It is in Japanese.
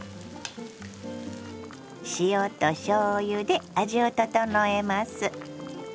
塩としょうゆで味を調えます。